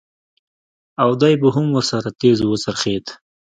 او دى به هم ورسره تېز وڅرخېد.